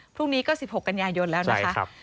พรุ่งนี้ก็๑๖กันยายนแล้วนะคะ